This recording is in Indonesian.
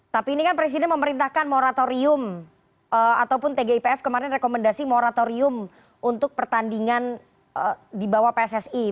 tapi ini kan presiden memerintahkan moratorium ataupun tgipf kemarin rekomendasi moratorium untuk pertandingan di bawah pssi